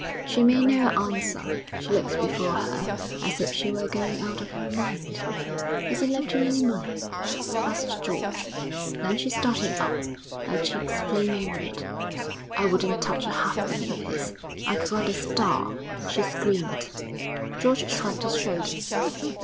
She made no answer; she looked before her as if she were going out of her mind. 'Has he left you any money?' asked George. Then she started up, her cheeks flaming red. 'I wouldn't touch a halfpenny of his. I'd rather starve!' she screamed. George shrugged his shoulders.